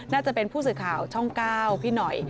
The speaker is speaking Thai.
น่าจะเป็นผู้สื่อข่าวช่อง๙พี่หน่อย